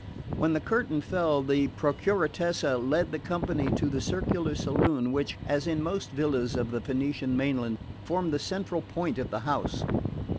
When the curtain fell the Procuratessa led the company to the circular saloon which, as in most villas of the Venetian mainland, formed the central point of the house.